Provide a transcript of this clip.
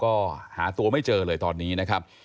ก็หาตัวไม่เจอเลยตอนนี้นะครับ